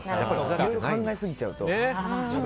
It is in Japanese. いろいろ考えすぎちゃうと。